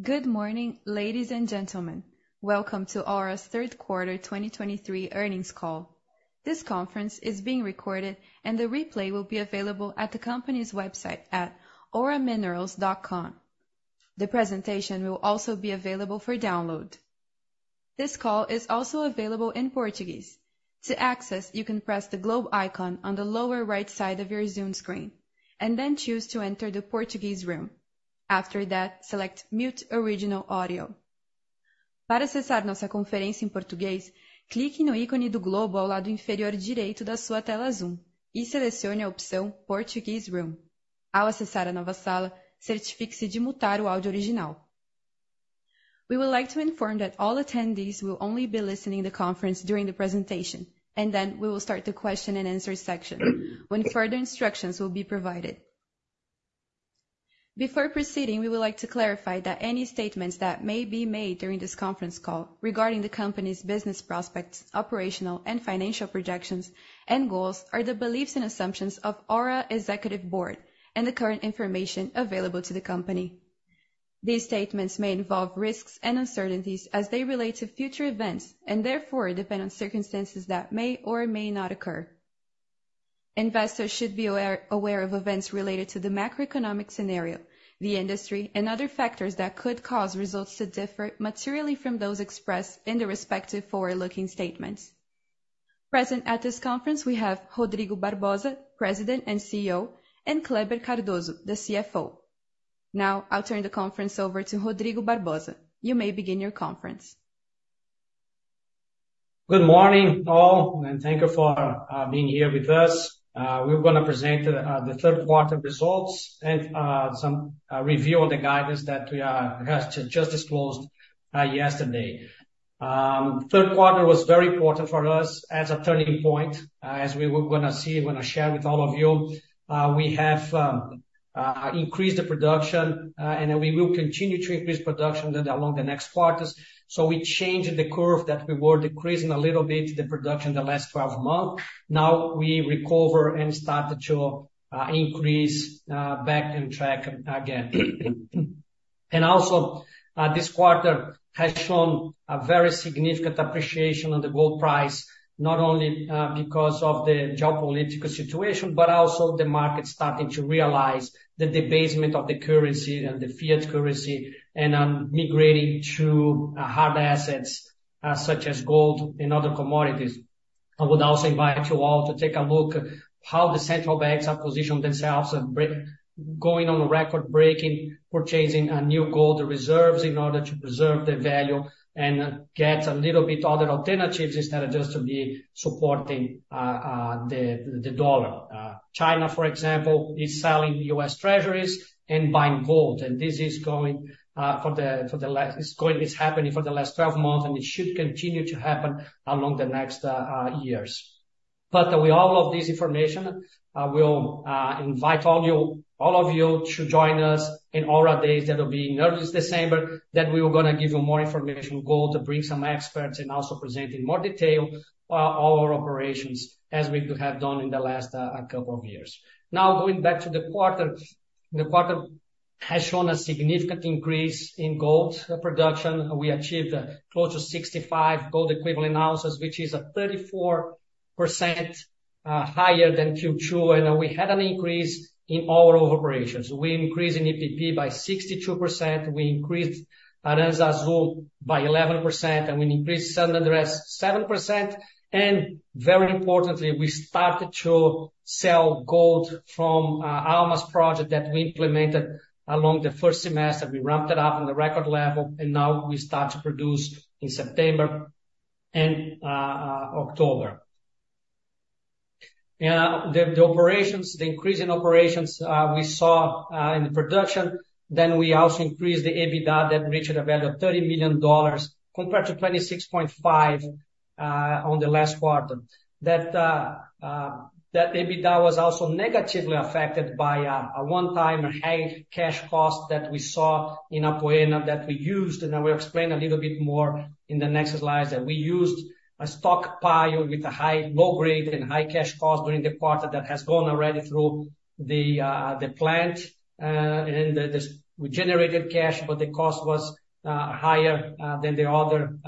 Good morning, ladies and gentlemen. Welcome to Aura's Third Quarter 2023 Earnings Call. This conference is being recorded, and the replay will be available at the company's website at auraminerals.com. The presentation will also be available for download. This call is also available in Portuguese. To access, you can press the globe icon on the lower right side of your Zoom screen and then choose to enter the Portuguese room. After that, select Mute Original Audio. Para acessar nossa conferência em português, clique no ícone do globo ao lado inferior direito da sua tela Zoom e selecione a opção Portuguese room. Ao acessar a nova sala, certifique-se de mutar o áudio original. We would like to inform that all attendees will only be listening to the conference during the presentation, and then we will start the question and answer section, when further instructions will be provided. Before proceeding, we would like to clarify that any statements that may be made during this conference call regarding the company's business prospects, operational and financial projections and goals are the beliefs and assumptions of Aura's Executive Board and the current information available to the company. These statements may involve risks and uncertainties as they relate to future events, and therefore depend on circumstances that may or may not occur. Investors should be aware of events related to the macroeconomic scenario, the industry, and other factors that could cause results to differ materially from those expressed in the respective forward-looking statements. Present at this conference, we have Rodrigo Barbosa, President and CEO, and Kleber Cardoso, the CFO. Now, I'll turn the conference over to Rodrigo Barbosa. You may begin your conference. Good morning, all, and thank you for being here with us. We're gonna present the third quarter results and some review on the guidance that we just disclosed yesterday. Third quarter was very important for us as a turning point. As we were gonna see, we're gonna share with all of you. We have increased the production, and then we will continue to increase production then along the next quarters. So we changed the curve that we were decreasing a little bit, the production in the last 12 months. Now we recover and started to increase back on track again. And also, this quarter has shown a very significant appreciation on the gold price, not only because of the geopolitical situation, but also the market starting to realize the debasement of the currency and the fiat currency, and migrating to hard assets such as gold and other commodities. I would also invite you all to take a look at how the central banks have positioned themselves and going on record-breaking purchasing a new gold reserves in order to preserve their value and get a little bit other alternatives instead of just to be supporting the dollar. China, for example, is selling U.S. Treasuries and buying gold, and this is going for the last 12 months, and it should continue to happen along the next years. But with all of this information, I will invite all you, all of you to join us in Aura Days. That will be in early December, that we are gonna give you more information, goal to bring some experts and also present in more detail our operations as we have done in the last couple of years. Now, going back to the quarter. The quarter has shown a significant increase in gold production. We achieved close to 65 gold equivalent ounces, which is a 34% higher than Q2, and we had an increase in all of operations. We increased in EPP by 62%, we increased Aranzazu by 11%, and we increased San Andrés 7%. And very importantly, we started to sell gold from Almas project that we implemented along the first semester. We ramped it up on the record level, and now we start to produce in September and October. The operations, the increase in operations we saw in the production. Then we also increased the EBITDA that reached a value of $30 million compared to $26.5 million on the last quarter. That EBITDA was also negatively affected by a one-time high cash cost that we saw in Apoena that we used, and I will explain a little bit more in the next slides, that we used a stockpile with a low grade and high cash costs during the quarter that has gone already through the plant. We generated cash, but the cost was higher than the other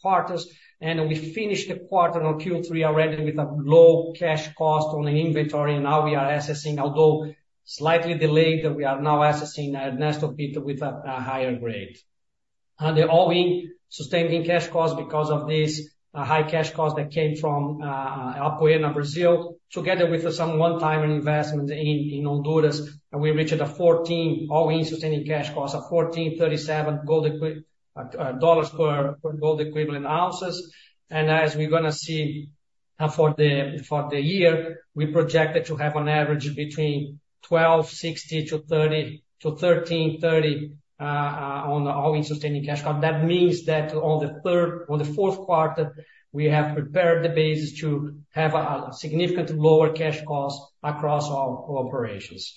quarters. We finished the quarter on Q3 already with a low cash cost on the inventory, and now we are assessing, although slightly delayed, we are now assessing Ernesto pit with a higher grade. And the all-in sustaining cash costs because of this high cash cost that came from Apoena, Brazil, together with some one-time investment in Honduras, and we reached $1,437 all-in sustaining cash costs dollars per gold equivalent ounces. And as we're gonna see, for the year, we projected to have an average between $1,260-$1,330 on the all-in sustaining cash costs. That means that on the fourth quarter, we have prepared the basis to have a significant lower cash cost across all operations.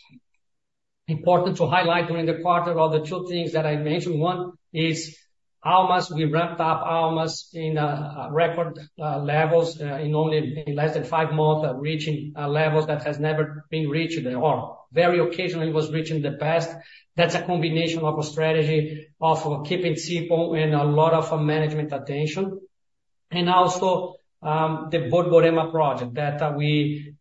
Important to highlight during the quarter are the two things that I mentioned. One is Almas, we ramped up Almas in record levels in only less than 5 months, reaching levels that has never been reached or very occasionally was reached in the past. That's a combination of a strategy of keeping simple and a lot of management attention. And also, the Borborema project that we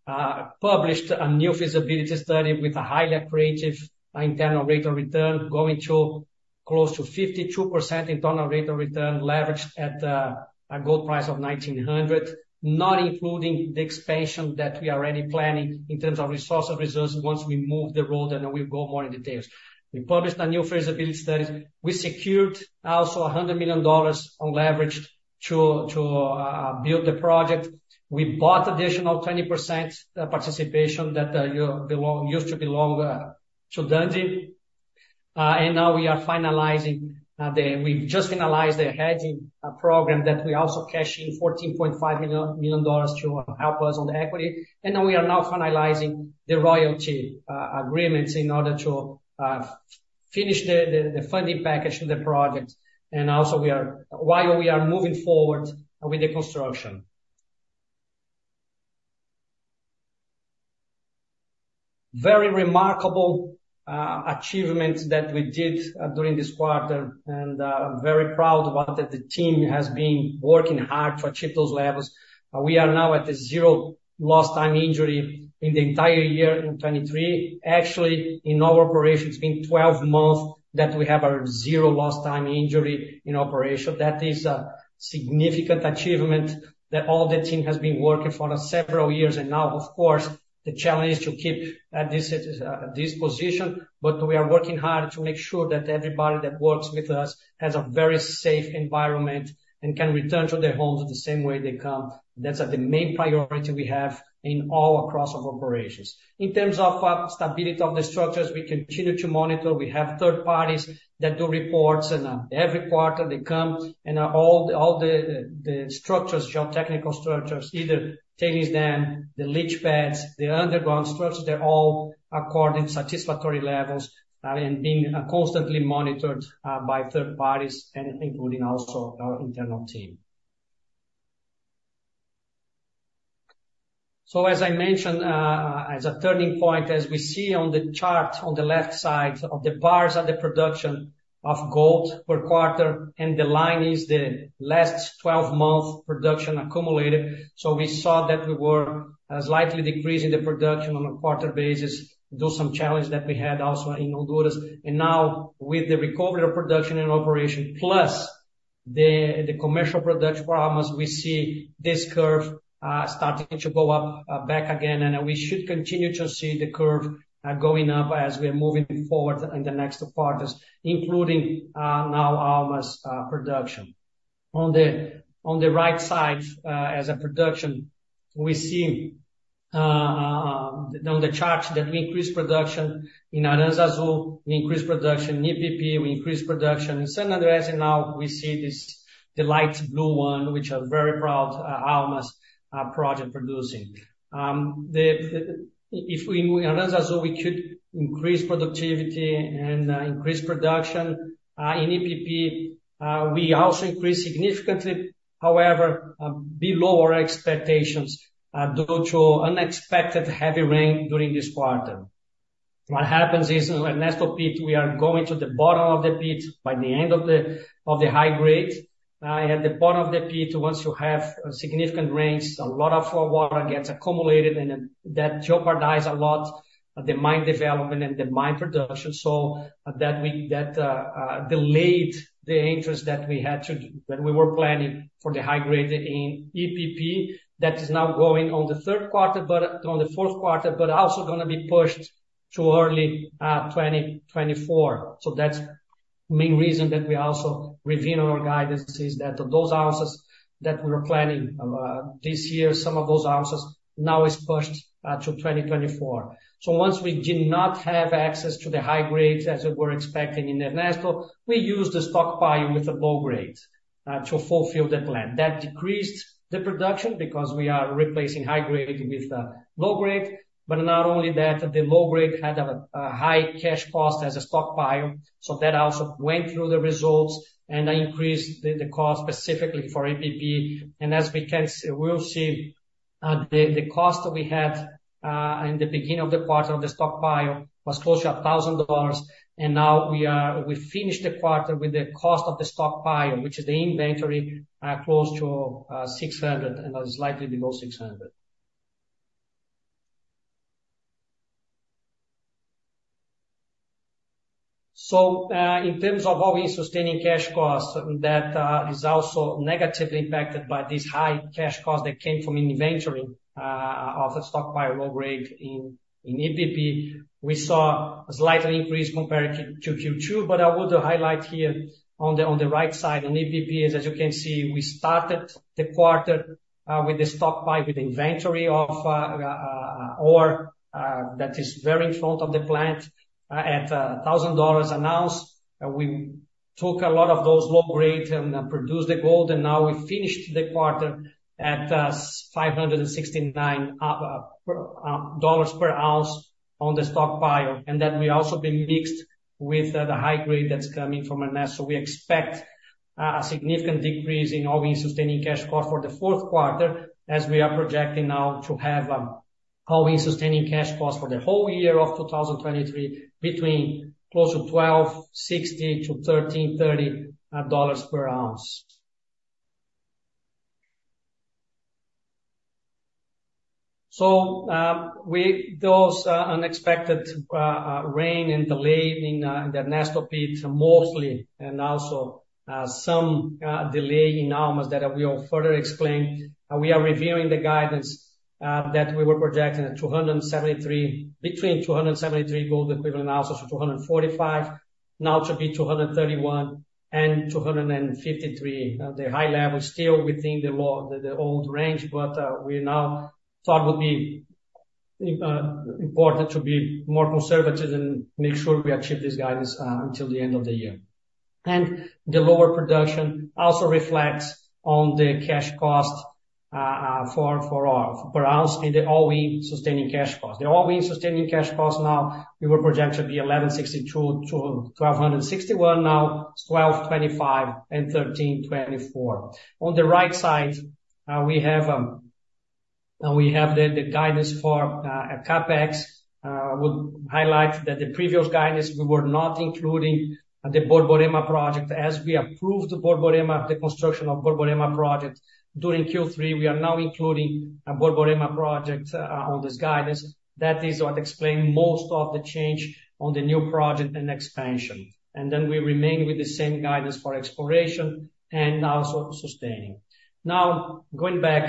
published a new feasibility study with a highly accretive internal rate of return, going to close to 52% internal rate of return, leveraged at a gold price of $1,900, not including the expansion that we are already planning in terms of resource and reserves once we move the road, and we'll go more in details. We published a new feasibility study. We secured also $100 million on leverage to build the project. We bought additional 20% participation that used to belong to Dundee. And now we are finalizing—we've just finalized the hedging program that we also cash in $14.5 million dollars to help us on the equity. And now we are finalizing the royalty agreements in order to finish the funding package to the project. And also, while we are moving forward with the construction. Very remarkable achievement that we did during this quarter, and I'm very proud of what the team has been working hard to achieve those levels. We are now at a zero lost time injury in the entire year in 2023. Actually, in our operation, it's been 12 months that we have a zero Lost Time Injury in operation. That is a significant achievement that all the team has been working for several years. And now, of course, the challenge is to keep at this, this position. But we are working hard to make sure that everybody that works with us has a very safe environment and can return to their homes the same way they come. That's the main priority we have in all across our operations. In terms of stability of the structures, we continue to monitor. We have third parties that do reports, and, every quarter they come, and, all the structures, geotechnical structures, either tailings dam, the leach pads, the underground structures, they're all according to satisfactory levels, and being constantly monitored, by third parties and including also our internal team. So as I mentioned, as a turning point, as we see on the chart on the left side of the bars are the production of gold per quarter, and the line is the last 12 month production accumulated. So we saw that we were slightly decreasing the production on a quarter basis, due some challenge that we had also in Honduras. And now with the recovery of production and operation, plus the commercial production for Almas, we see this curve starting to go up, back again, and we should continue to see the curve going up as we're moving forward in the next quarters, including now Almas production. On the right side, as for production, we see on the chart that we increased production in Aranzazu, we increased production in EPP, we increased production in San Andrés, and now we see this, the light blue one, which I'm very proud, Almas project producing. In Aranzazu we could increase productivity and increase production. In EPP we also increased significantly, however, below our expectations due to unexpected heavy rain during this quarter. What happens is, in Ernesto pit, we are going to the bottom of the pit by the end of the high grade. At the bottom of the pit, once you have significant rains, a lot of water gets accumulated, and then that jeopardizes a lot the mine development and the mine production. So that delayed the interest that we had to do when we were planning for the high grade in EPP. That is now going on the third quarter, but on the fourth quarter, but also going to be pushed to early 2024. So that's main reason that we also reviewed our guidance, is that those ounces that we were planning this year, some of those ounces now is pushed to 2024. So once we did not have access to the high grades as we were expecting in Ernesto, we used the stockpile with the low grades to fulfill the plan. That decreased the production because we are replacing high grade with low grade. But not only that, the low grade had a high cash cost as a stockpile, so that also went through the results and increased the cost specifically for EPP. And as we can-- we'll see, the cost that we had in the beginning of the quarter of the stockpile was close to $1,000, and now we are-- we finished the quarter with the cost of the stockpile, which is the inventory, close to $600 and slightly below $600. In terms of all-in sustaining cash costs, that is also negatively impacted by this high cash cost that came from inventory of the stockpile low grade in EPP. We saw a slight increase compared to Q2, but I would highlight here on the right side in EPP, as you can see, we started the quarter with the stockpile, with inventory of ore that is very in front of the plant at $1,000 an ounce. We took a lot of those low grade and produced the gold, and now we finished the quarter at $569 per ounce on the stockpile. And that will also be mixed with the high grade that's coming from Ernesto. We expect a significant decrease in all-in sustaining cash cost for the fourth quarter, as we are projecting now to have all-in sustaining cash costs for the whole year of 2023 between close to $1,260-$1,330 per ounce. So, with those unexpected rain and delay in the Ernesto pit mostly, and also some delay in Almas that I will further explain. We are reviewing the guidance that we were projecting at 273, between 273 gold equivalent ounces to 245. Now it should be 231 and 253. The high level is still within the low, the old range, but we now thought it would be important to be more conservative and make sure we achieve this guidance until the end of the year. And the lower production also reflects on the cash cost per ounce in the all-in sustaining cash costs. The all-in sustaining cash costs now, we were projected to be $1,162-$1,261, now it's $1,225-$1,324. On the right side, we have the guidance for CapEx. I would highlight that the previous guidance we were not including the Borborema project. As we approved the Borborema, the construction of Borborema project during Q3, we are now including a Borborema project on this guidance. That is what explains most of the change on the new project and expansion. Then we remain with the same guidance for exploration and also sustaining. Now, going back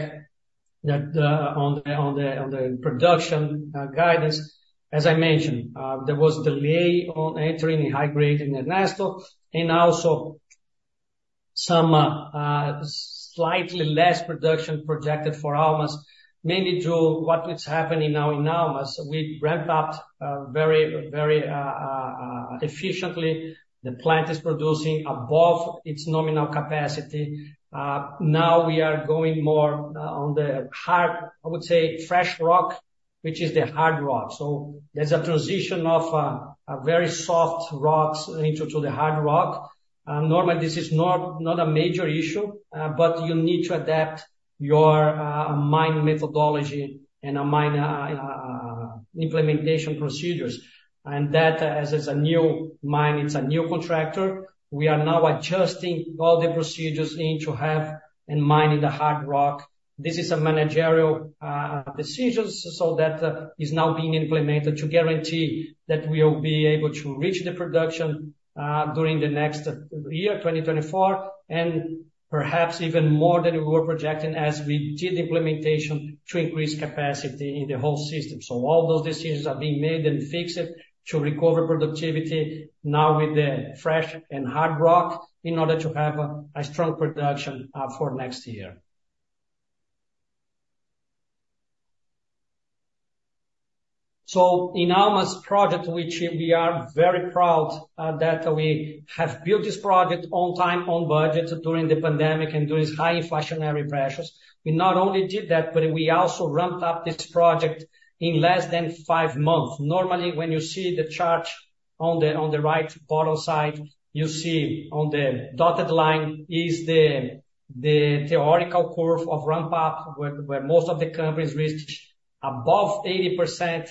to that, on the production guidance, as I mentioned, there was delay on entering in high grade in Ernesto, and also some slightly less production projected for Almas. Mainly due to what is happening now in Almas, we ramped up very efficiently. The plant is producing above its nominal capacity. Now we are going more on the hard, I would say, fresh rock, which is the hard rock. So there's a transition of a very soft rocks into the hard rock. Normally, this is not a major issue, but you need to adapt your mining methodology and mining implementation procedures. And that, as it's a new mine, it's a new contractor, we are now adjusting all the procedures need to have in mining the hard rock. This is a managerial decisions, so that is now being implemented to guarantee that we'll be able to reach the production during the next year, 2024, and perhaps even more than we were projecting as we did implementation to increase capacity in the whole system. So all those decisions are being made and fixed to recover productivity now with the fresh and hard rock, in order to have a strong production for next year. So in Almas project, which we are very proud that we have built this project on time, on budget, during the pandemic and during high inflationary pressures. We not only did that, but we also ramped up this project in less than 5 months. Normally, when you see the chart on the right bottom side, you see on the dotted line is the theoretical curve of ramp up, where most of the companies reach above 80%,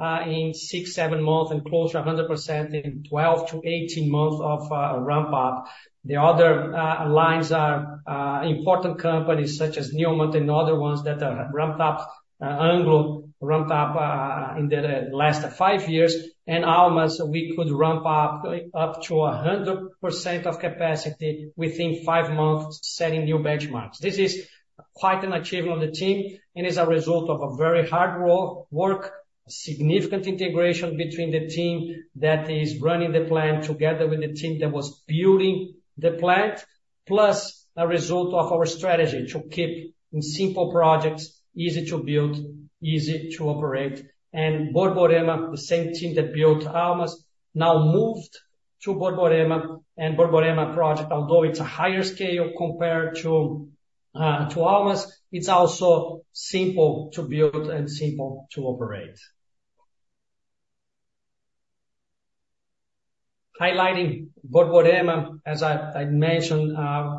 in six-seven months and close to 100% in 12-18 months of ramp up. The other lines are important companies such as Newmont and other ones that are ramped up. Anglo ramped up in the last five years, and Almas, we could ramp up to 100% of capacity within five months, setting new benchmarks. This is quite an achievement on the team and is a result of a very hard work, significant integration between the team that is running the plant together with the team that was building the plant, plus a result of our strategy to keep simple projects, easy to build, easy to operate. Borborema, the same team that built Almas, now moved to Borborema. Borborema project, although it's a higher scale compared to Almas, it's also simple to build and simple to operate. Highlighting Borborema, as I mentioned,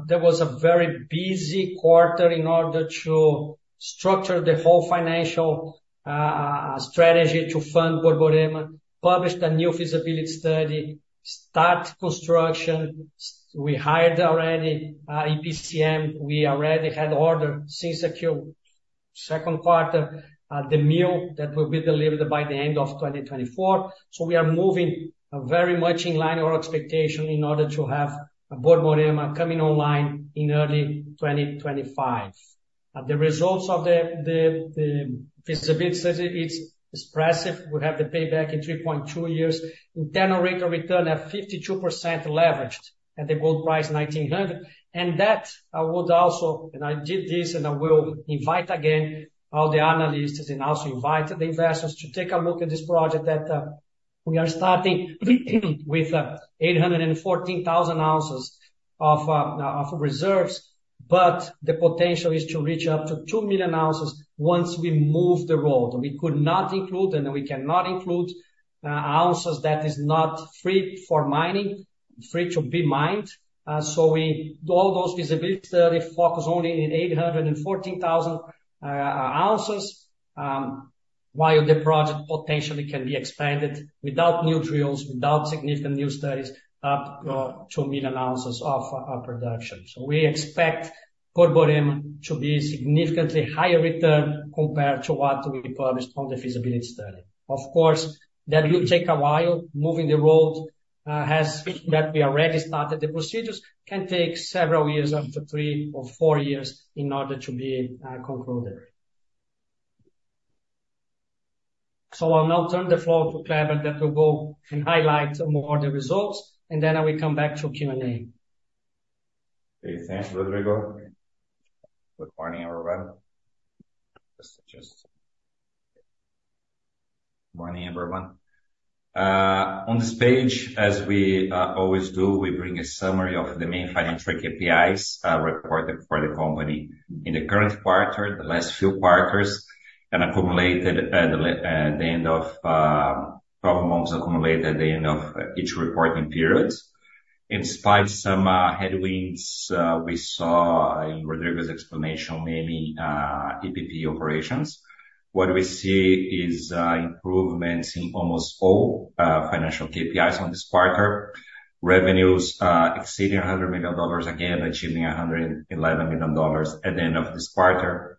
there was a very busy quarter in order to structure the whole financial strategy to fund Borborema, published a new feasibility study, start construction. We hired already EPCM. We already had ordered since the Q2 second quarter the mill that will be delivered by the end of 2024. So we are moving very much in line with our expectation in order to have Borborema coming online in early 2025. The results of the feasibility study, it's expressive. We have the payback in three point two years, internal rate of return at 52% leveraged at the gold price $1,900. And that I would also, and I did this, and I will invite again all the analysts, and also invite the investors to take a look at this project that we are starting, with eight hundred and fourteen thousand ounces of reserves, but the potential is to reach up to 2 million ounces once we move the road. We could not include, and we cannot include ounces that is not free for mining.... free to be mined. So we all those feasibility study focus only in 814,000 ounces. While the project potentially can be expanded without new trials, without significant new studies, up to two million ounces of production. So we expect Borborema to be significantly higher return compared to what we published on the feasibility study. Of course, that will take a while. Moving the road, we have already started the procedures, can take several years, up to three or four years, in order to be concluded. So I'll now turn the floor to Kleber, that will go and highlight more the results, and then I will come back to Q&A. Okay, thanks, Rodrigo. Good morning, everyone. Morning, everyone. On this page, as we always do, we bring a summary of the main financial KPIs recorded for the company in the current quarter, the last few quarters, and accumulated at the end of 12 months accumulated at the end of each reporting periods. In spite of some headwinds we saw in Rodrigo's explanation, mainly EPP operations. What we see is improvements in almost all financial KPIs on this quarter. Revenues exceeding $100 million, again, achieving $111 million at the end of this quarter.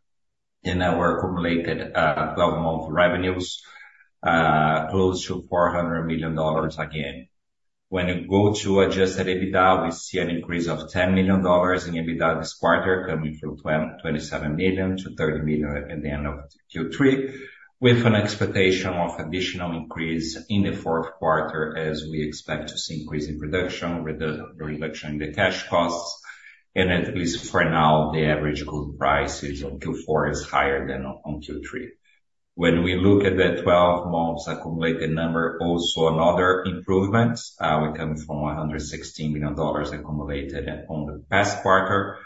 And then were accumulated 12-month revenues close to $400 million again. When you go to adjusted EBITDA, we see an increase of $10 million in EBITDA this quarter, coming from $27 million-$30 million at the end of Q3, with an expectation of additional increase in the fourth quarter as we expect to see increase in production with the reduction in the cash costs. At least for now, the average gold price in Q4 is higher than in Q3. When we look at the 12 months accumulated number, also another improvement. We come from $116 million accumulated in the past quarter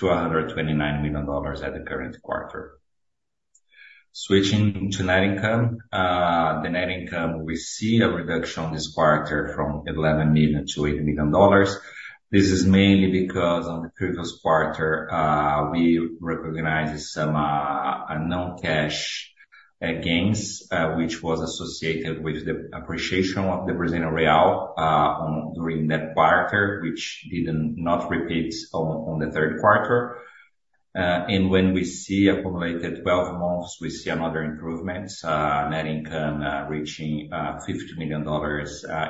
to $129 million at the current quarter. Switching to net income. The net income, we see a reduction this quarter from $11 million-$8 million. This is mainly because on the previous quarter, we recognized some a non-cash gains, which was associated with the appreciation of the Brazilian real during that quarter, which didn't not repeat on the third quarter. And when we see accumulated 12 months, we see another improvement, net income reaching $50 million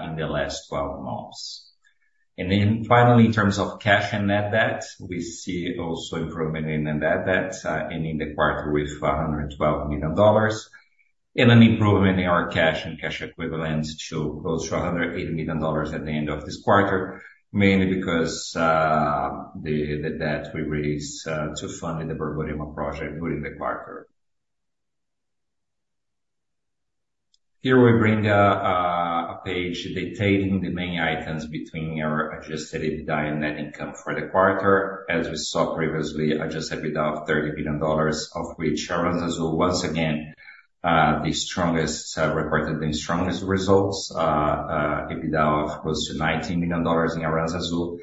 in the last 12 months. And then finally, in terms of cash and net debt, we see also improvement in the net debt, ending the quarter with $112 million, and an improvement in our cash and cash equivalents to close to $180 million at the end of this quarter. Mainly because the debt we raised to funding the Borborema project during the quarter. Here we bring a page detailing the main items between our adjusted EBITDA and net income for the quarter. As we saw previously, adjusted EBITDA of $30 million, of which Aranzazu once again the strongest, reportedly the strongest results. EBITDA of close to $19 million in Aranzazu.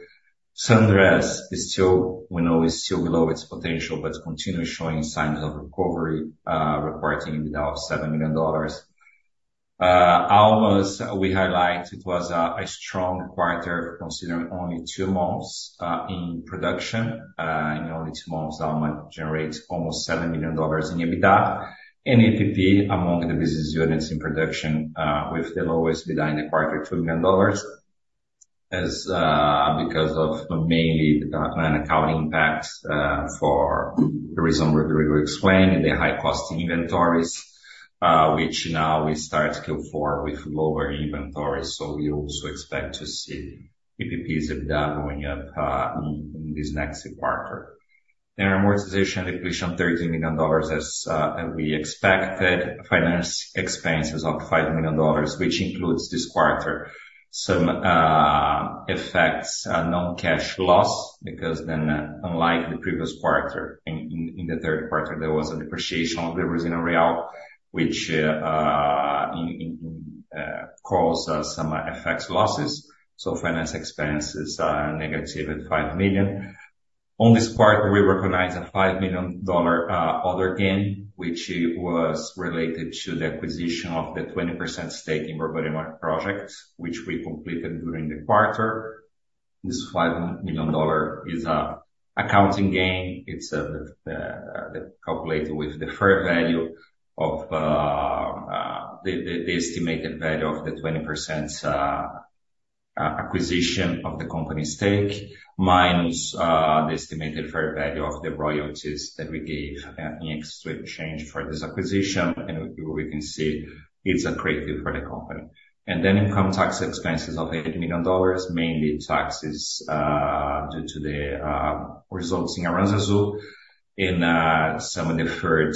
San Andrés is still, we know, is still below its potential, but continues showing signs of recovery, reporting EBITDA of $7 million. Almas, we highlight it was a strong quarter, considering only two months in production. In only two months, Almas generate almost $7 million in EBITDA. EPP among the business units in production, with the lowest EBITDA in the quarter, $2 million. As, because of mainly the accounting impact, for the reason Rodrigo explained, the high cost inventories, which now we start Q4 with lower inventories, so we also expect to see EPP's EBITDA going up, in this next quarter. Amortization and depletion, $13 million, as we expected. Finance expenses of $5 million, which includes this quarter, some effects, non-cash loss, because then unlike the previous quarter, in the third quarter, there was a depreciation of the Brazilian real, which caused us some FX losses. So finance expenses are negative at $5 million. On this quarter, we recognized a $5 million other gain, which was related to the acquisition of the 20% stake in Borborema project, which we completed during the quarter. This $5 million is an accounting gain. It's calculated with the fair value of the estimated value of the 20% acquisition of the company stake, minus the estimated fair value of the royalties that we gave in exchange for this acquisition. And we can see it's a great deal for the company. And then income tax expenses of $8 million, mainly taxes due to the results in Aranzazu, and some deferred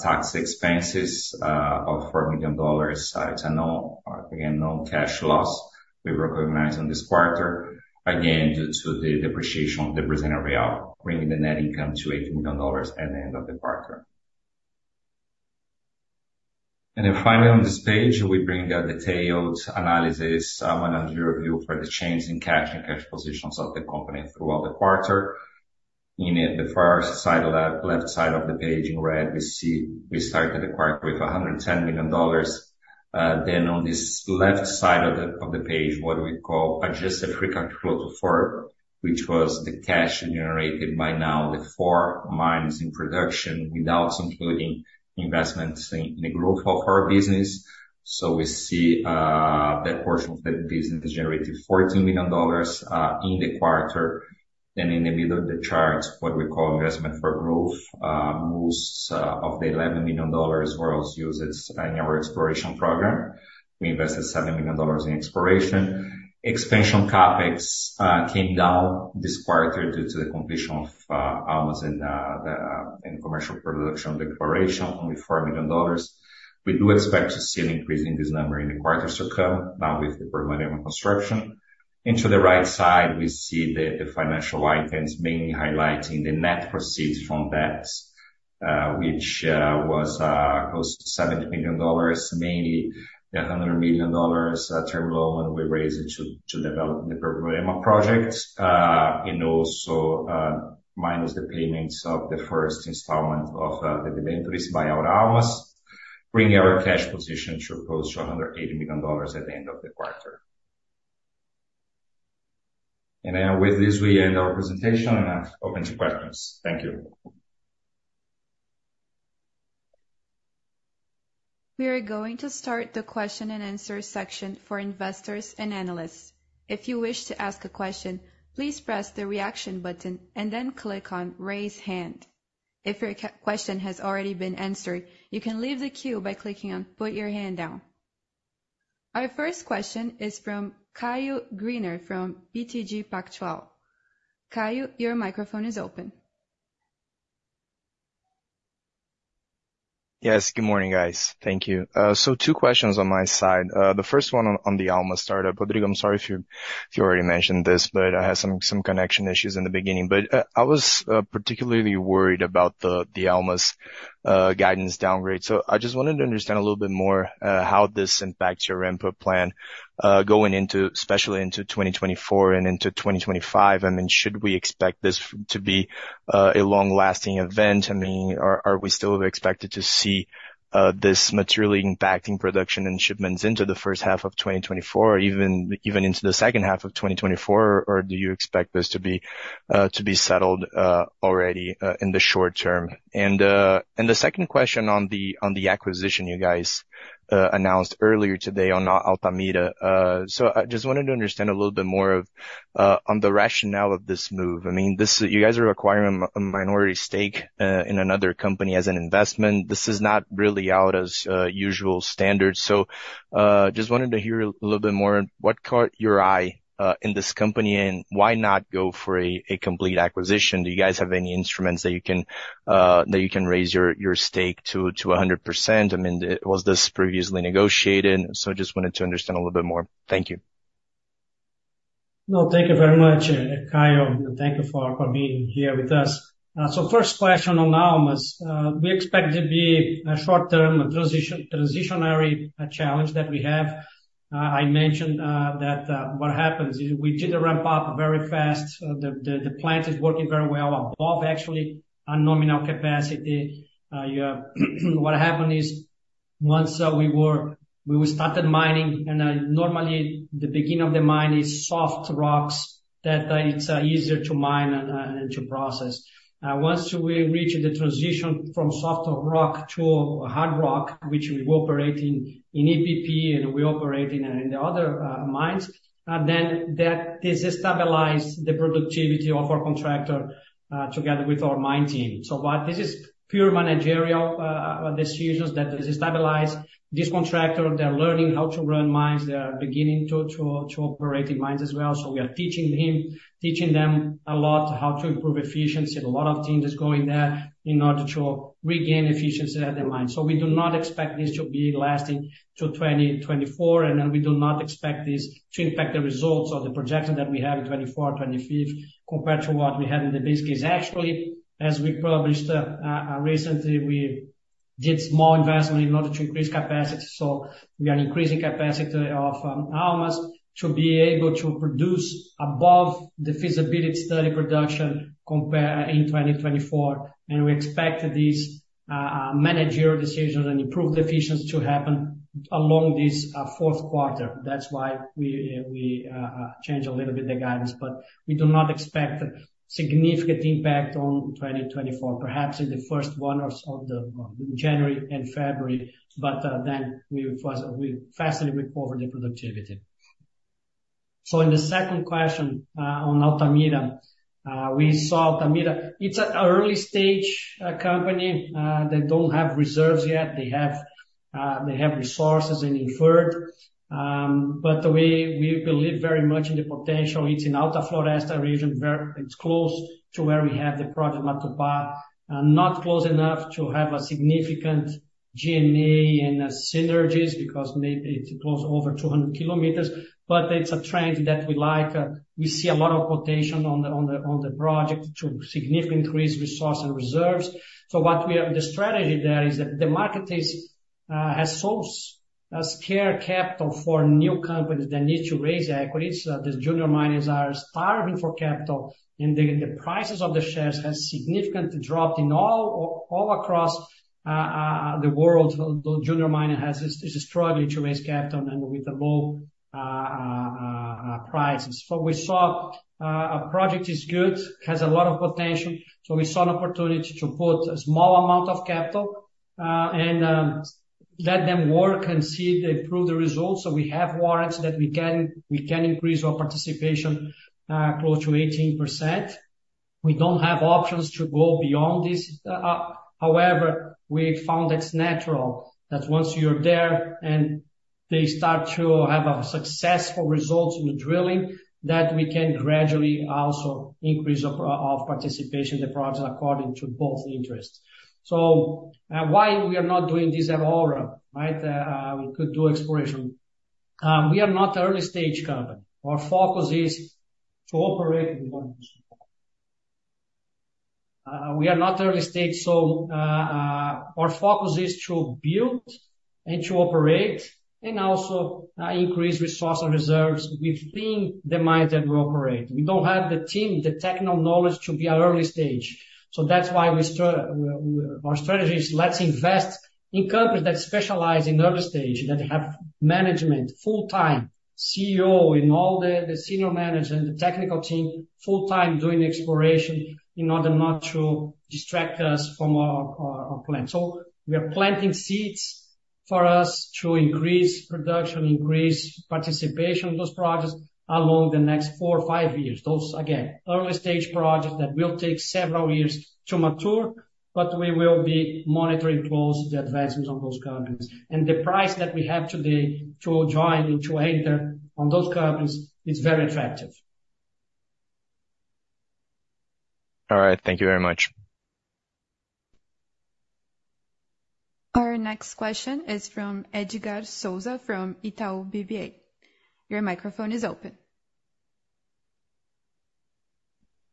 tax expenses of $4 million. It's a non- again, non-cash loss we recognize on this quarter, again, due to the depreciation of the Brazilian real, bringing the net income to $8 million at the end of the quarter. And then finally, on this page, we bring the detailed analysis, manager review for the change in cash and cash positions of the company throughout the quarter. In the first side of the left side of the page, in red, we see we started the quarter with $110 million. Then on this left side of the page, what we call adjusted free cash flow for, which was the cash generated by now the four mines in production, without including investments in the growth of our business. So we see that portion of the business generated $14 million in the quarter. Then in the middle of the chart, what we call investment for growth, most of the $11 million was used in our exploration program. We invested $7 million in exploration. Expansion CapEx came down this quarter due to the completion of Almas in commercial production declaration, only $4 million. We do expect to see an increase in this number in the quarters to come, now with the program under construction. Into the right side, we see the financial items, mainly highlighting the net proceeds from debts, which was close to $70 million, mainly the $100 million term loan we raised to develop the Borborema project. And also, minus the payments of the first installment of the inventories by our Almas, bringing our cash position to close to $180 million at the end of the quarter. With this, we end our presentation, and I'm open to questions. Thank you. We are going to start the question and answer section for investors and analysts. If you wish to ask a question, please press the Reaction button and then click on Raise Hand. If your question has already been answered, you can leave the queue by clicking on Put Your Hand Down. Our first question is from Caio Greiner, from BTG Pactual. Caio, your microphone is open. Yes, good morning, guys. Thank you. So two questions on my side. The first one on the Almas startup. Rodrigo, I'm sorry if you already mentioned this, but I had some connection issues in the beginning. But I was particularly worried about the Almas guidance downgrade. So I just wanted to understand a little bit more how this impacts your input plan going into especially into 2024 and into 2025. I mean, should we expect this to be a long-lasting event? I mean, are we still expected to see this materially impacting production and shipments into the first half of 2024, even into the second half of 2024? Or do you expect this to be settled already in the short term? The second question on the acquisition you guys announced earlier today on Altamira. So I just wanted to understand a little bit more on the rationale of this move. I mean, this, you guys are acquiring a minority stake in another company as an investment. This is not really out of the usual standards. So just wanted to hear a little bit more, what caught your eye in this company, and why not go for a complete acquisition? Do you guys have any instruments that you can raise your stake to 100%? I mean, was this previously negotiated? So just wanted to understand a little bit more. Thank you. No, thank you very much, Caio, and thank you for being here with us. So first question on Almas. We expect it to be a short-term transitionary challenge that we have. I mentioned that what happens is we did a ramp-up very fast. The plant is working very well above actually our nominal capacity. Yeah, what happened is, once we started mining, and normally the beginning of the mine is soft rocks, that it's easier to mine and to process. Once we reach the transition from softer rock to hard rock, which we operate in EPP, and we operate in the other mines, then that destabilize the productivity of our contractor together with our mine team. So what this is pure managerial decisions that destabilize this contractor. They're learning how to run mines. They are beginning to operate mines as well. So we are teaching them a lot, how to improve efficiency. A lot of team is going there in order to regain efficiency at the mine. So we do not expect this to be lasting to 2024, and then we do not expect this to impact the results or the projection that we have in 2024, 2025, compared to what we had in the base case. Actually, as we published recently, we did small investment in order to increase capacity. So we are increasing capacity of Almas to be able to produce above the feasibility study production compare in 2024. We expect these managerial decisions and improved efficiency to happen along this fourth quarter. That's why we change a little bit the guidance, but we do not expect significant impact on 2024. Perhaps in the first one or so of the January and February, but then we fast, we rapidly recover the productivity. So in the second question on Altamira. We saw Altamira. It's a early-stage company. They don't have reserves yet. They have resources in inferred. But we believe very much in the potential. It's in Alta Floresta region. It's close to where we have the project Matupá, not close enough to have a significant G&A and synergies, because it's close over 200 kilometers, but it's a trend that we like. We see a lot of potential on the project to significantly increase resource and reserves. So what we have, the strategy there is that the market has scarce capital for new companies that need to raise equities. These junior miners are starving for capital, and the prices of the shares has significantly dropped across the world. The junior miner is struggling to raise capital and with the low prices. But we saw a project is good, has a lot of potential, so we saw an opportunity to put a small amount of capital, and let them work and see they improve the results. So we have warrants that we can increase our participation close to 18%. We don't have options to go beyond this. However, we found it's natural that once you're there and they start to have a successful results with drilling, that we can gradually also increase our participation in the project according to both interests. So, why we are not doing this at all, right? We could do exploration. We are not an early-stage company. Our focus is to operate with one. We are not early stage, so our focus is to build and to operate, and also increase resource and reserves within the mines that we operate. We don't have the team, the technical knowledge to be at early stage, so that's why our strategy is let's invest in companies that specialize in early stage, that have management, full-time CEO and all the senior management, the technical team, full-time doing exploration in order not to distract us from our plan. So we are planting seeds for us to increase production, increase participation in those projects along the next four or five years. Those, again, early stage projects that will take several years to mature, but we will be monitoring close the advancements on those companies. And the price that we have today to join and to enter on those companies is very attractive. All right, thank you very much. Our next question is from Edgar Souza, from Itaú BBA. Your microphone is open.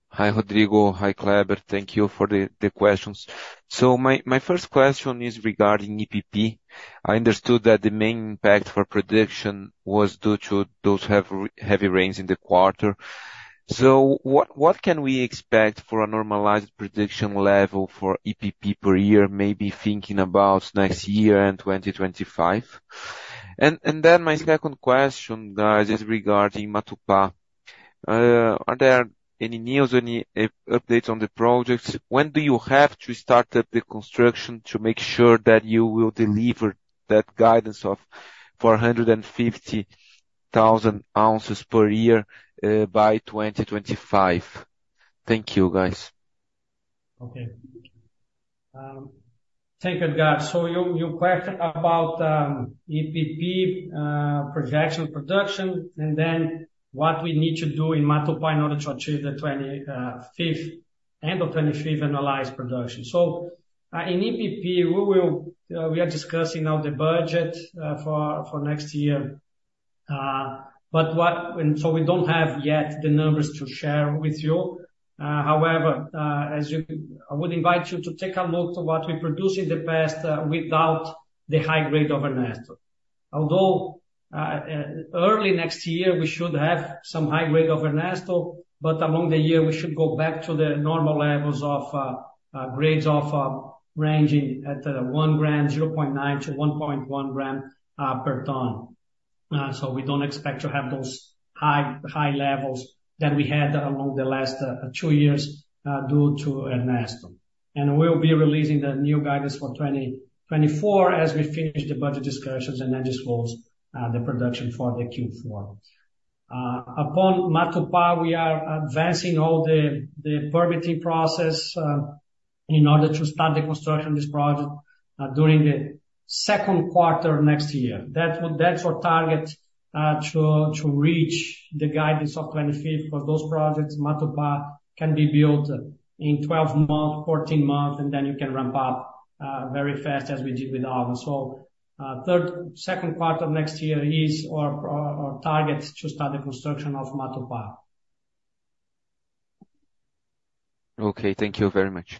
Hi, Rodrigo. Hi, Kleber. Thank you for the, the questions. So my, my first question is regarding EPP. I understood that the main impact for production was due to those heavy, heavy rains in the quarter. So what, what can we expect for a normalized production level for EPP per year, maybe thinking about next year and 2025? And, and then my second question, guys, is regarding Matupá. Are there any news, any updates on the projects? When do you have to start up the construction to make sure that you will deliver that guidance of 450,000 ounces per year, by 2025? Thank you, guys. Okay. Thank you, Edgar. So your question about EPP projected production, and then what we need to do in Matupá in order to achieve the 25th, end of 2025 analyzed production. So in EPP, we are discussing now the budget for next year. But and so we don't have yet the numbers to share with you. However, as you I would invite you to take a look to what we produced in the past without the high grade of Ernesto. Although early next year, we should have some high grade of Ernesto, but along the year, we should go back to the normal levels of grades ranging at 1 gram, 0.9-1.1 grams per ton. So we don't expect to have those high, high levels that we had along the last two years due to Ernesto. We'll be releasing the new guidance for 2024 as we finish the budget discussions and then disclose the production for the Q4. Upon Matupá, we are advancing all the permitting process in order to start the construction of this project during the second quarter next year. That's what, that's our target to reach the guidance of 2025, because those projects, Matupá, can be built in 12 months, 14 months, and then you can ramp up very fast, as we did with Almas. Second quarter of next year is our target to start the construction of Matupá. Okay, thank you very much.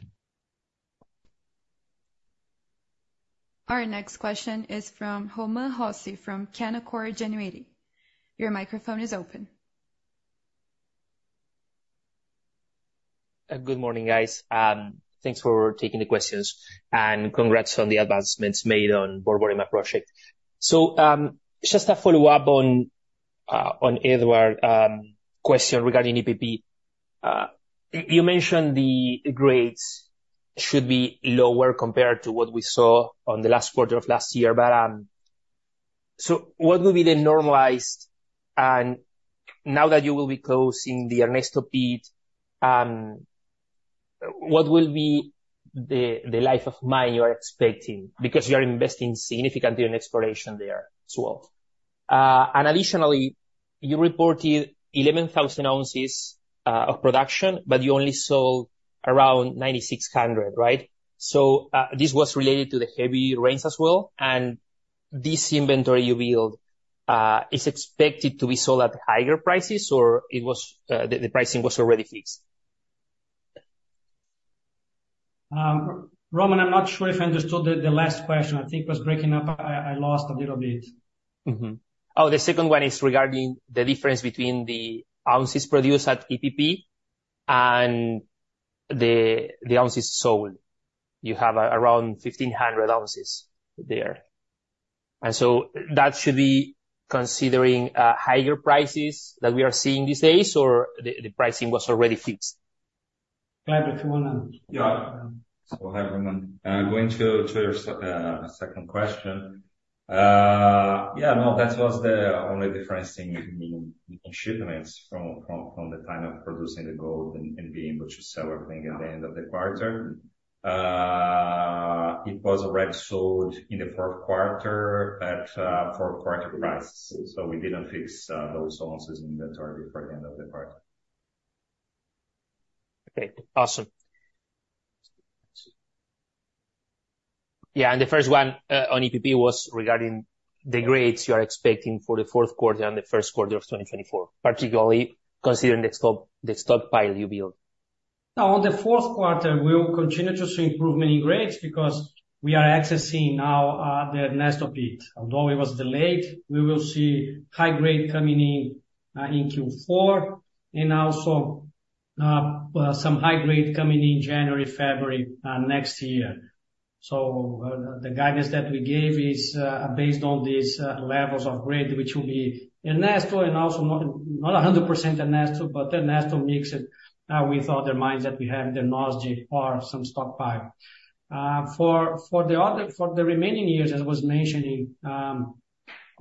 Our next question is from Roman Rossi from Canaccord Genuity. Your microphone is open. Good morning, guys. Thanks for taking the questions, and congrats on the advancements made on Borborema project. So, just a follow-up on Edgar's question regarding EPP. You mentioned the grades should be lower compared to what we saw on the last quarter of last year. But, so what will be the normalized and now that you will be closing the Ernesto pit, what will be the life of mine you are expecting? Because you are investing significantly in exploration there as well. And additionally, you reported 11,000 ounces of production, but you only sold around 9,600, right? So, this was related to the heavy rains as well, and this inventory you build is expected to be sold at higher prices, or it was the pricing was already fixed?... Roman, I'm not sure if I understood the last question. I think it was breaking up. I lost a little bit. Mm-hmm. Oh, the second one is regarding the difference between the ounces produced at EPP and the ounces sold. You have around 1,500 ounces there, and so that should be considering higher prices that we are seeing these days, or the pricing was already fixed? Kleber, if you wanna- Yeah. So hi, everyone. Going to your second question. Yeah, no, that was the only difference in shipments from the time of producing the gold and being able to sell everything at the end of the quarter. It was already sold in the fourth quarter at fourth quarter prices, so we didn't fix those ounces in the target for the end of the quarter. Okay, awesome. Yeah, and the first one on EPP was regarding the grades you are expecting for the fourth quarter and the first quarter of 2024, particularly considering the stock, the stockpile you build. Now, on the fourth quarter, we will continue to see improvement in grades because we are accessing now the Ernesto pit. Although it was delayed, we will see high grade coming in in Q4, and also some high grade coming in January, February next year. So, the guidance that we gave is based on these levels of grade, which will be Ernesto and also not 100% Ernesto, but Ernesto mix it with other mines that we have, the Nosde or some stockpile. For the remaining years, as I was mentioning,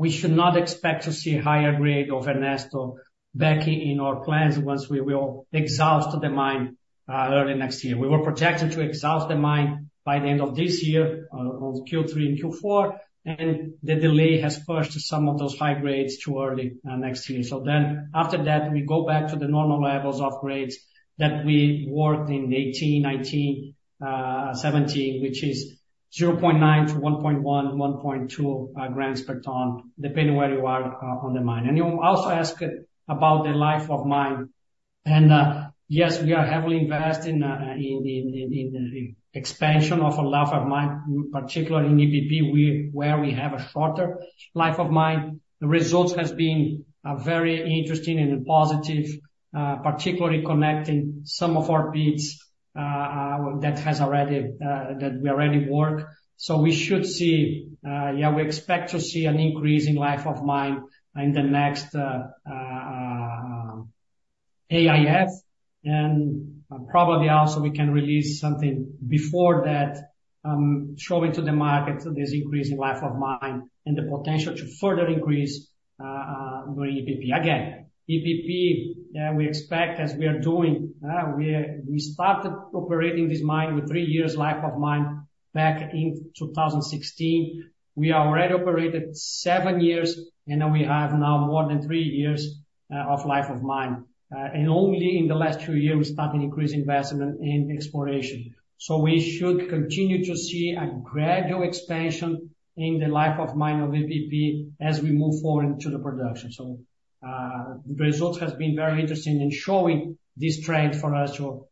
we should not expect to see higher grade of Ernesto back in our plans once we will exhaust the mine early next year. We were projected to exhaust the mine by the end of this year on Q3 and Q4, and the delay has pushed some of those high grades to early next year. So then after that, we go back to the normal levels of grades that we worked in 2018, 2019, 2017, which is 0.9-1.1, 1.2 grams per ton, depending where you are on the mine. And you also asked about the life of mine, and yes, we are heavily invested in the expansion of a life of mine, particularly in EPP, where we have a shorter life of mine. The results has been very interesting and positive, particularly connecting some of our pits that we already work. So we should see, we expect to see an increase in life of mine in the next AISC, and probably also we can release something before that, showing to the market this increase in life of mine and the potential to further increase during EPP. Again, EPP, we expect as we are doing, we started operating this mine with three years life of mine back in 2016. We already operated seven years, and now we have more than three years of life of mine. And only in the last two years, we started increasing investment in exploration. So we should continue to see a gradual expansion in the life of mine of EPP as we move forward to the production. So, the results has been very interesting in showing this trend for us to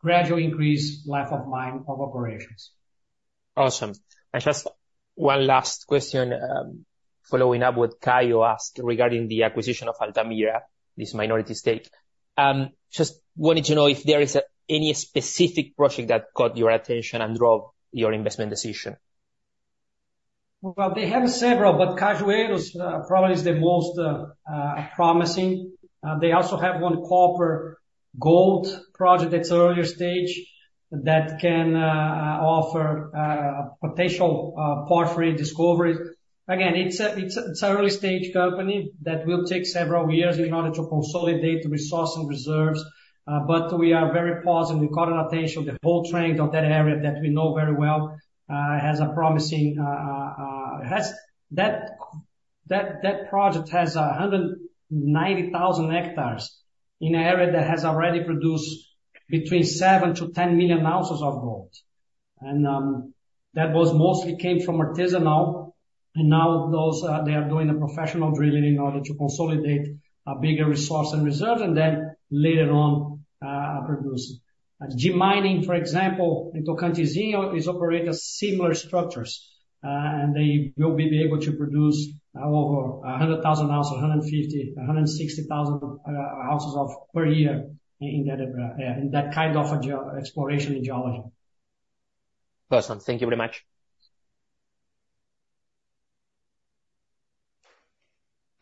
gradually increase life of mine of operations. Awesome. And just one last question, following up what Caio asked regarding the acquisition of Altamira, this minority stake. Just wanted to know if there is any specific project that caught your attention and drove your investment decision? Well, they have several, but Cajueiro probably is the most promising. They also have one copper gold project that's earlier stage that can offer potential porphyry discovery. Again, it's a early-stage company that will take several years in order to consolidate the resource and reserves, but we are very positive. We caught an attention the whole trend of that area that we know very well has a promising. That project has 190,000 hectares in an area that has already produced between 7-10 million ounces of gold. And, that was mostly came from artisanal, and now those they are doing a professional drilling in order to consolidate a bigger resource and reserve, and then later on produce. G Mining, for example, in Tocantinzinho, is operating similar structures, and they will be able to produce over 100,000 ounces, 150,000-160,000 ounces per year in that kind of a geo-exploration and geology. Awesome. Thank you very much.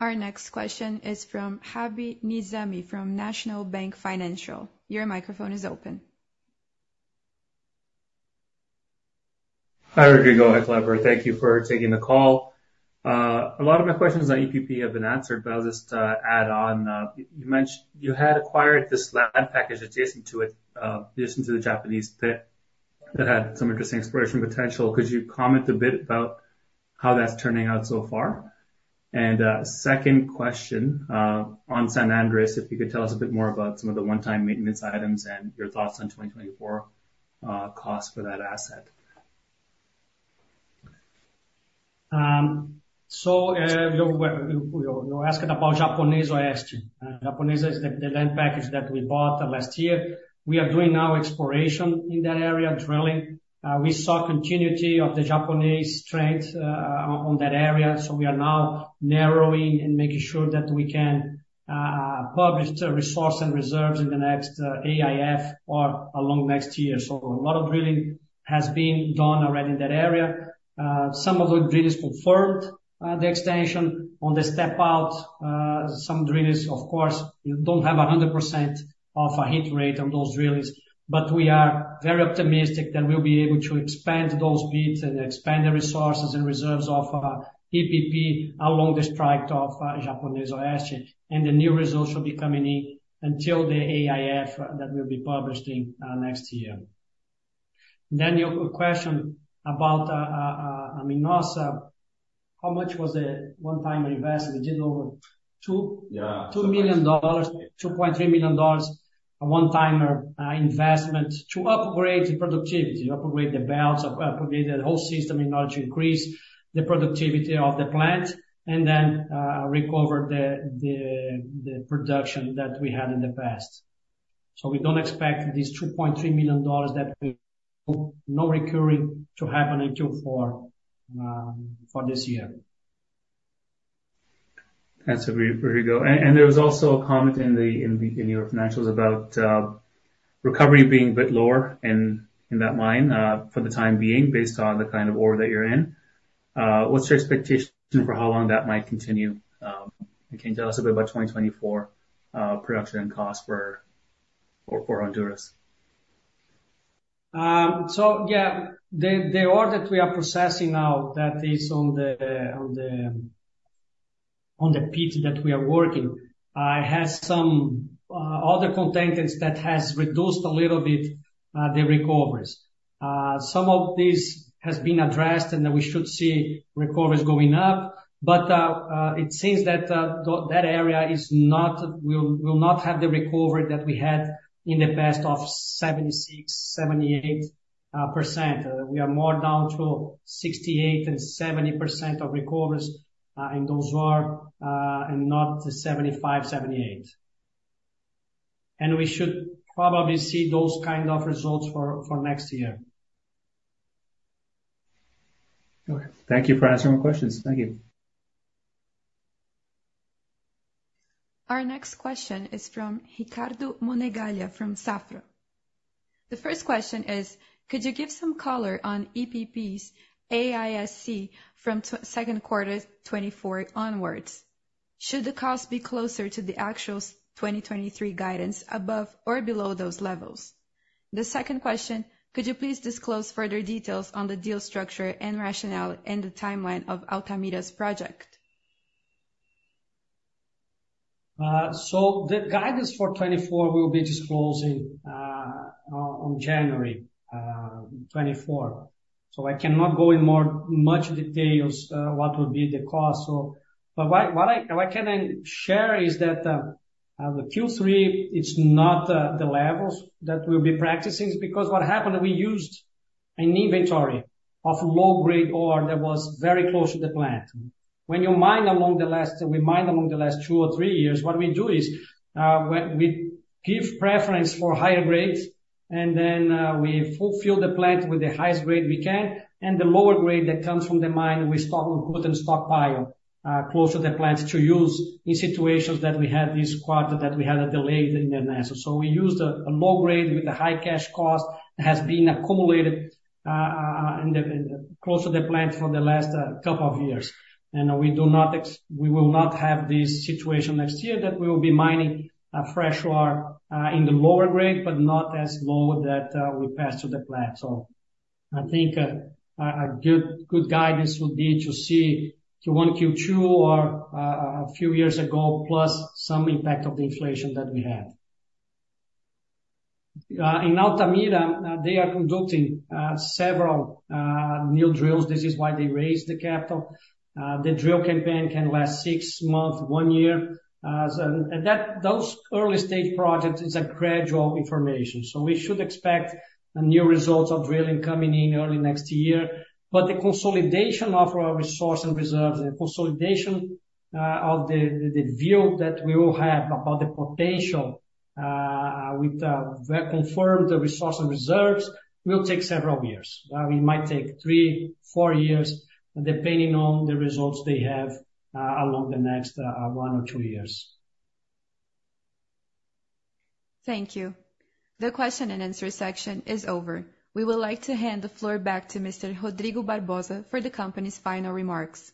Our next question is from Rabi Nizami, from National Bank Financial. Your microphone is open. Hi, Rodrigo. Hi, Kleber. Thank you for taking the call. A lot of my questions on EPP have been answered, but I'll just add on. You mentioned you had acquired this land package adjacent to it, adjacent to the Japanese pit, that had some interesting exploration potential. Could you comment a bit about how that's turning out so far? And, second question, on San Andrés, if you could tell us a bit more about some of the one-time maintenance items and your thoughts on 2024, costs for that asset.... So, you asked about Japonês Oeste. Japonês is the land package that we bought last year. We are doing now exploration in that area, drilling. We saw continuity of the Japonês trend on that area. So we are now narrowing and making sure that we can publish the resource and reserves in the next AIF or along next year. So a lot of drilling has been done already in that area. Some of the drillings confirmed the extension on the step out. Some drillings, of course, you don't have 100% of a hit rate on those drillings. But we are very optimistic that we'll be able to expand those bits and expand the resources and reserves of EPP along the strike of Japonês Oeste, and the new results should be coming in until the AIF that will be published in next year. Then your question about Minosa. How much was the one-time investment? We did over two- Yeah. $2 million, $2.3 million, a one-timer investment to upgrade the productivity, upgrade the belts, upgrade the whole system in order to increase the productivity of the plant and then recover the production that we had in the past. So we don't expect this $2.3 million that will be non-recurring to happen until for this year. That's right, Rodrigo. And there was also a comment in your financials about recovery being a bit lower in that mine for the time being, based on the kind of ore that you're in. What's your expectation for how long that might continue? Can you tell us a bit about 2024 production and cost for Honduras? So yeah, the ore that we are processing now, that is on the pit that we are working, has some other contaminants that has reduced a little bit the recoveries. Some of this has been addressed, and then we should see recoveries going up. But it seems that that area is not... will not have the recovery that we had in the past of 76%-78%. We are more down to 68%-70% of recoveries in those ore, and not the 75-78. And we should probably see those kind of results for next year. Okay. Thank you for answering my questions. Thank you. Our next question is from Ricardo Monegaglia, from Safra. The first question is: Could you give some color on EPP's AISC from second quarter 2024 onwards? Should the cost be closer to the actual 2023 guidance, above or below those levels? The second question: Could you please disclose further details on the deal structure and rationale and the timeline of Altamira's project? So the guidance for 2024 will be disclosing on January 24. So I cannot go in more much details what would be the cost so. But what I can share is that the Q3 is not the levels that we'll be practicing, because what happened, we used an inventory of low-grade ore that was very close to the plant. When you mine along the last two or three years, what we do is we give preference for higher grades, and then we fulfill the plant with the highest grade we can, and the lower grade that comes from the mine, we stock, we put in stockpile closer to the plant to use in situations that we had this quarter, that we had a delay in the mine. So we used a low grade with a high cash cost that has been accumulated in the- close to the plant for the last, couple of years. And we will not have this situation next year, that we will be mining, uh, fresh ore, uh, in the lower grade, but not as low that, uh, we passed through the plant. So I think, uh, a, a good, good guidance would be to see Q1, Q2 or, uh, a, a few years ago, plus some impact of the inflation that we had. Uh, in Altamira, uh, they are conducting, uh, several, uh, new drills. This is why they raised the capital. Uh, the drill campaign can last six months, one year. Uh, so and, and that-- Those early-stage projects is a gradual information, so we should expect new results of drilling coming in early next year. But the consolidation of our resource and reserves, the consolidation, uh, of the, the, the view that we will have about the potential, uh, with, uh, confirmed the resource and reserves, will take several years. Uh, it might take three, four years, depending on the results they have, uh, along the next, uh, one or two years. Thank you. The question and answer section is over. We would like to hand the floor back to Mr. Rodrigo Barbosa for the company's final remarks.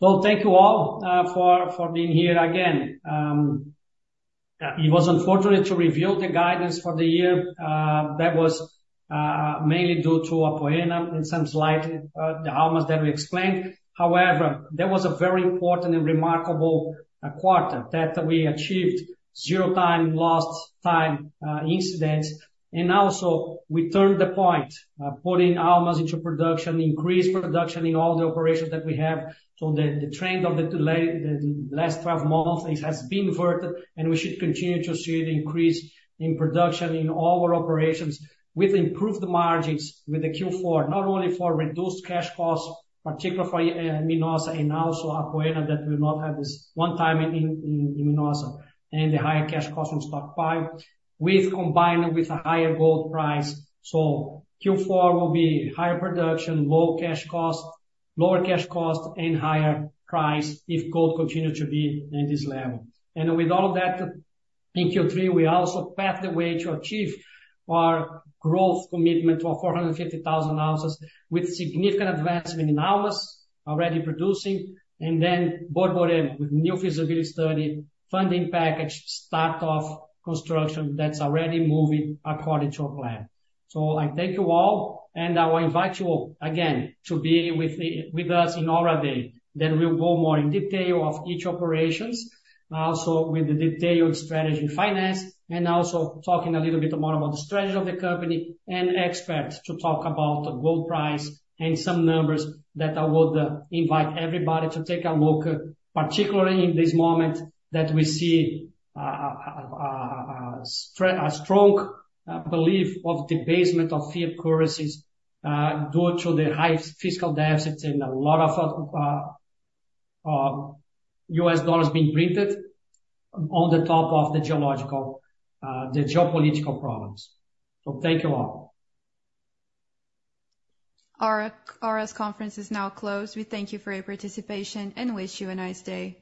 Well, thank you all for being here again. It was unfortunate to reveal the guidance for the year. That was mainly due to Apoena in some slight the Almas that we explained. However, that was a very important and remarkable quarter that we achieved zero lost time incidents. And also, we turned the point putting Almas into production, increased production in all the operations that we have. So the trend of the delay the last 12 months, it has been inverted, and we should continue to see the increase in production in all our operations. We've improved the margins with the Q4, not only for reduced cash costs, particularly for Minosa and also Apoena, that will not have this one-time in Minosa, and the higher cash costs on stockpile, with combining with a higher gold price. So Q4 will be higher production, lower cash costs, and higher price if gold continue to be in this level. And with all that, in Q3, we also paved the way to achieve our growth commitment to 450,000 ounces, with significant advancement in Almas already producing, and then Borborema, with new feasibility study, funding package, start of construction that's already moving according to our plan. So I thank you all, and I will invite you all again to be with us in Aura Day. Then we'll go more in detail of each operations, also with the detailed strategy in finance, and also talking a little bit more about the strategy of the company, and experts to talk about the gold price and some numbers that I would invite everybody to take a look, particularly in this moment that we see a strong belief of debasement of fiat currencies due to the high fiscal deficits and a lot of U.S. dollars being printed on top of the geopolitical problems. So thank you all. Our conference is now closed. We thank you for your participation and wish you a nice day.